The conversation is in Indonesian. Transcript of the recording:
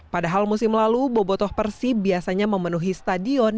padahal musim lalu bobotoh persib biasanya memenuhi stadion